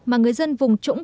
mà người dân vùng trũng quả